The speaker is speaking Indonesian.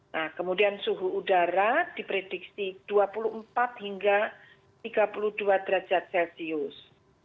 nah kemudian suhu udara diprediksi dua puluh empat hingga tiga puluh dua derajat celcius